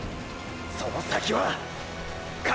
その先はァ！！